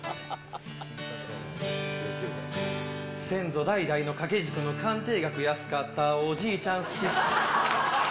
先祖代々の掛け軸の鑑定額安かったおじいちゃん、好き。